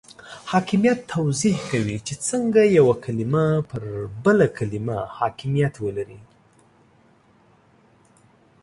حاکمیت توضیح کوي چې څنګه یوه کلمه پر بله کلمه حاکمیت ولري.